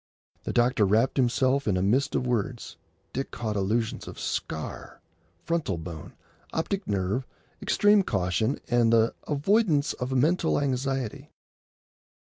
The doctor wrapped himself in a mist of words. Dick caught allusions to "scar," "frontal bone," "optic nerve," "extreme caution," and the "avoidance of mental anxiety."